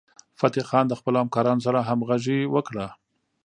فتح خان د خپلو همکارانو سره همغږي وکړه.